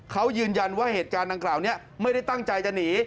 เขายืนยันว่าเหตุการณ์ดังกล่าวนี้ไม่ได้ตั้งใจจะหนี